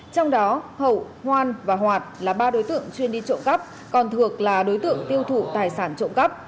trong đó hậu hoan và hoạt là ba đối tượng chuyên đi trộm cắp còn thực là đối tượng tiêu thụ tài sản trộm cắp